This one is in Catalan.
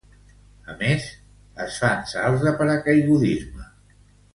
A més, es fan salts de paracaigudisme.